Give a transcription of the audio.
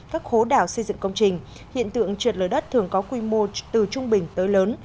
các khố đảo xây dựng công trình hiện tượng trượt lở đất thường có quy mô từ trung bình tới lớn